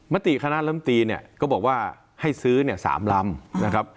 มาตรีคณะลำตีก็บอกว่าให้ซื้อ๓ลำนะครับ